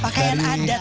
pakaian adat ya pak